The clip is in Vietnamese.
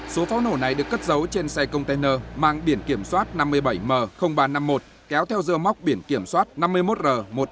số pháo nổ này được cất dấu trên xe container mang biển kiểm soát năm mươi bảy m ba trăm năm mươi một kéo theo dưa móc biển kiểm soát năm mươi một r một mươi hai nghìn tám trăm hai mươi năm